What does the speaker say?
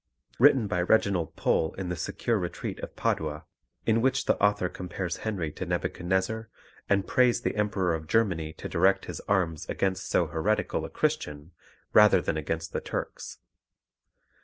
written by Reginald Pole in the secure retreat of Padua, in which the author compares Henry to Nebuchadnezzar, and prays the Emperor of Germany to direct his arms against so heretical a Christian, rather than against the Turks.